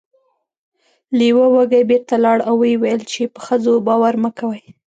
لیوه وږی بیرته لاړ او و یې ویل چې په ښځو باور مه کوئ.